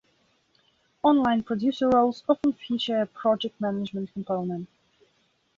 Online producer roles often feature a project management component.